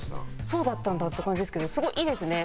そうだったんだって感じですけどすごいいいですね。